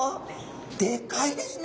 でかいですね！